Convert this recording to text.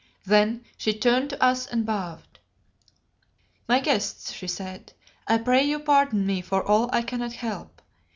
Then, she turned to us and bowed. "My guests," she said, "I pray you pardon me for all I cannot help.